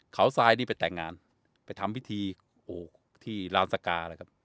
เขาทรายนี่ไปแต่งงานไปทำพิธีที่ลานสกาเลยครับ